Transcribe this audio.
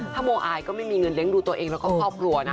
ถ้าโมอายก็ไม่มีเงินเลี้ยงดูตัวเองแล้วก็ครอบครัวนะ